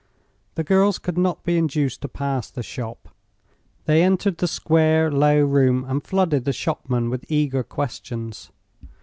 The girls could not be induced to pass the shop. They entered the square, low room and flooded the shopman with eager questions.